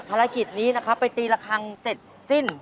ภารกิจนี้นะครับไปตีละครั้งเสร็จสิ้น